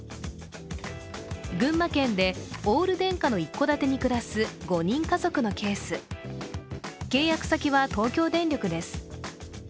群馬県でオール電化の一戸建てに暮らす５人家族のケース契約先は東京電力です。